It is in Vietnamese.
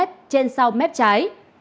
trên sau mép trái